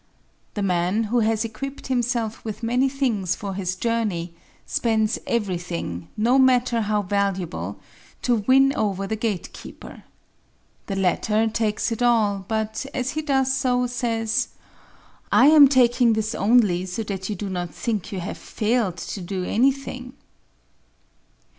The man, who has equipped himself with many things for his journey, spends everything, no matter how valuable, to win over the gatekeeper. The latter takes it all but, as he does so, says, "I am taking this only so that you do not think you have failed to do anything."